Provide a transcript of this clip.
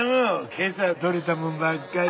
今朝取れたもんばっかりで。